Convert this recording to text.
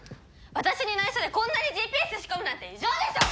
私に内緒でこんなにＧＰＳ仕込むなんて異常でしょ！